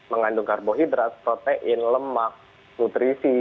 mengandung karbohidrat protein lemak nutrisi